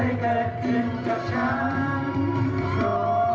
แต่ก็เคยเกิดขึ้นกับฉันเพราะเธอ